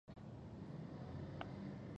کپتان خپله لوبډله ښه رهبري کوي.